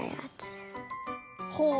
ほう！